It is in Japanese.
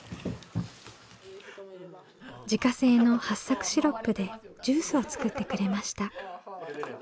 自家製のはっさくシロップでジュースを作ってくれました。